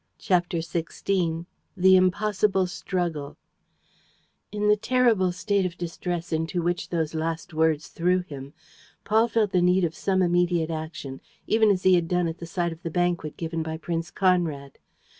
CHAPTER XVI THE IMPOSSIBLE STRUGGLE In the terrible state of distress into which those last words threw him, Paul felt the need of some immediate action, even as he had done at the sight of the banquet given by Prince Conrad.